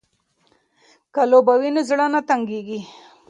که لوبه وي نو زړه نه تنګیږي.